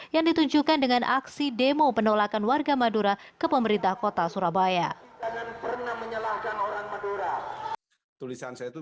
yang ditunjukkan dengan aksi demo penolakan warga madura kepemerintah kota surabaya tulisan saya itu